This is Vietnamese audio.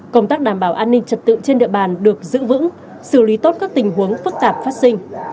công tác đảm bảo an ninh trật tự trên địa bàn được giữ vững xử lý tốt các tình huống phức tạp phát sinh